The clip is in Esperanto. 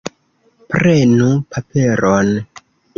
Prenu paperon.